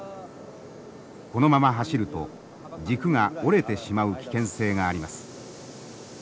このまま走ると軸が折れてしまう危険性があります。